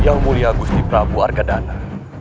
yang mulia gusti prabu arkadana